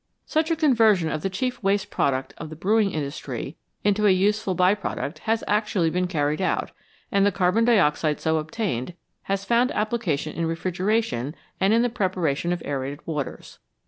Such a conversion of the chief waste pro duct of the brewing industry into a useful by product has actually been carried out, and the carbon dioxide so obtained has found application in refrigeration and in the preparation of aerated waters.